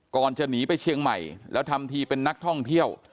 ก่อนจะหนีไปเชียงใหม่แล้วทำทีเป็นนักท่องเที่ยว